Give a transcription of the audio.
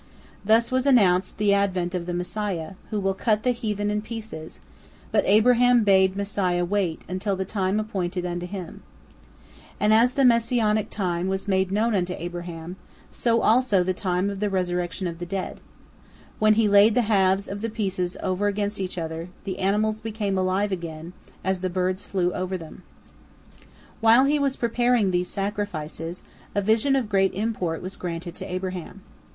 Thus was announced the advent of the Messiah, who will cut the heathen in pieces, but Abraham bade Messiah wait until the time appointed unto him. And as the Messianic time was made known unto Abraham, so also the time of the resurrection of the dead. When he laid the halves of the pieces over against each other, the animals became alive again, as the bird flew over them. While he was preparing these sacrifices, a vision of great import was granted to Abraham.